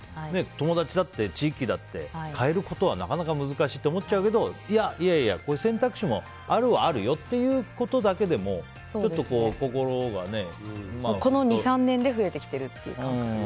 友達だって地域だって変えることはなかなか難しいと思っちゃうけどいやいや、こういう選択肢もあるはあるよっていうことだけでもここ２３年で増えてきていますね。